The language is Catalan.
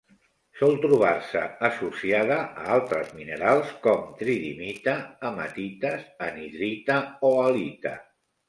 Sol trobar-se associada a altres minerals com: tridimita, hematites, anhidrita o halita.